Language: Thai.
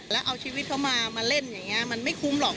แล้วเอาชีวิตเขามามาเล่นอย่างนี้มันไม่คุ้มหรอก